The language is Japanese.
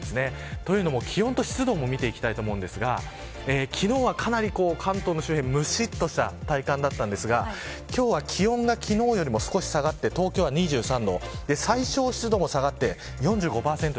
というのも、気温と湿度も見ていきますが昨日は、かなり関東の周辺むしっとした体感だったんですが今日は気温が昨日より下がって東京は２３度最小湿度も下がって４５％。